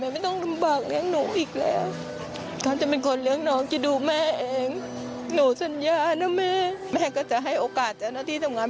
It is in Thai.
แม่ก็จะให้โอกาสเอาหน้าที่จำงาน